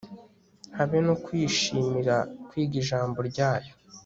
habe no kwishimira kwiga ijambo ryayo